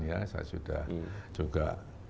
ya saya sudah juga